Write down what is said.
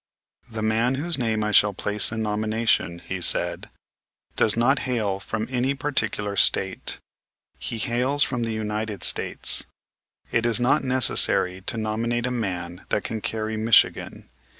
"The man whose name I shall place in nomination," he said, "does not hail from any particular State; he hails from the United States. It is not necessary to nominate a man that can carry Michigan.